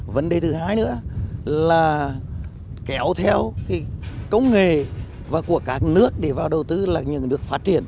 vấn đề thứ hai nữa là kéo theo công nghệ và của các nước để vào đầu tư là những nước phát triển